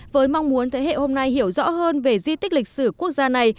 với mong muốn thế hệ hôm nay hiểu rõ hơn về di tích lịch sử quốc gia này